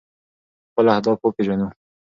خپل اهداف وپیژنو.